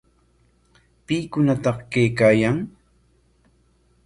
¿Pikunataq kaykaayan?